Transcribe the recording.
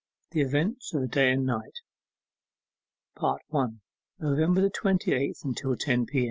THE EVENTS OF A DAY AND NIGHT 1. NOVEMBER THE TWENTY EIGHTH. UNTIL TEN P.